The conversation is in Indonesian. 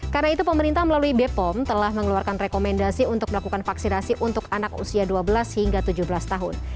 karena itu pemerintah melalui bepom telah mengeluarkan rekomendasi untuk melakukan vaksinasi untuk anak usia dua belas hingga tujuh belas tahun